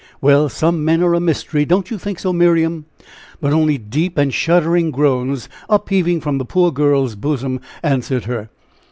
Well, some men are a mystery don't you think so, Miriam?" But only deep and shuddering groans, upheaving from the poor girl's bosom, answered her.